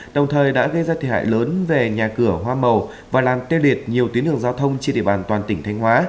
đồng thời đã gây ra thiệt hại lớn về nhà cửa hoa màu và làm tiêu liệt nhiều tuyến đường giao thông trên địa bàn toàn tỉnh thanh hóa